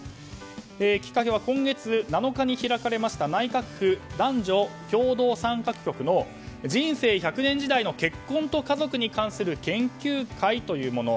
きっかけは今月７日に開かれました内閣府・男女共同参画局の人生１００年時代の結婚と家族に関する研究会というもの。